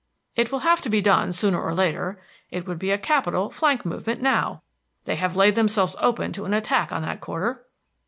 "It will have to be done, sooner or later. It would be a capital flank movement now. They have laid themselves open to an attack on that quarter."